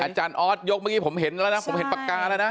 อาจารย์ออสยกเมื่อกี้ผมเห็นแล้วนะผมเห็นปากกาแล้วนะ